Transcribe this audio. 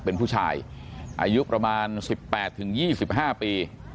เป็นผู้ชายอายุประมาณ๑๘๒๕ปี